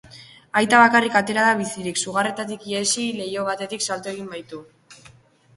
Aita bakarrik atera da bizirik, sugarretatik ihesi leiho batetik salto egin baitu.